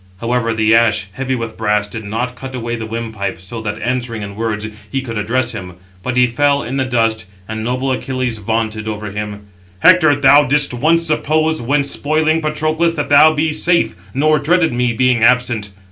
However the ash, heavy with brass, did not cut away the windpipe, so that, answering in words, he could address him. But he fell in the dust, and noble Achilles vaunted over him: "Hector, thou didst once suppose, when spoiling Patroclus, that thou be safe, nor dreaded me, being absent.